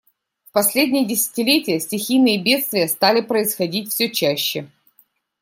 В последнее десятилетие стихийные бедствия стали происходить все чаще.